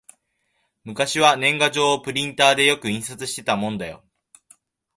昔は年賀状をプリンターでよく印刷したもんだよ